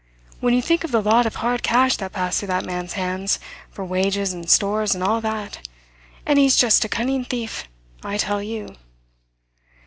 When you think of the lot of hard cash that passed through that man's hands, for wages and stores and all that and he's just a cunning thief, I tell you."